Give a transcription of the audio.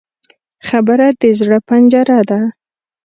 خبره د زړه پنجره ده